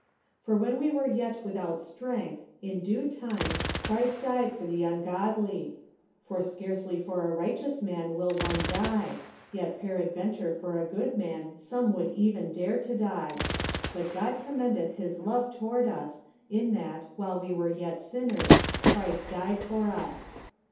45:005:006 For when we were yet without strength, in due time Christ died for the ungodly. 45:005:007 For scarcely for a righteous man will one die: yet peradventure for a good man some would even dare to die. 45:005:008 But God commendeth his love toward us, in that, while we were yet sinners, Christ died for us.